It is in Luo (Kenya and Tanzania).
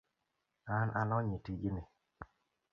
An alony e tijni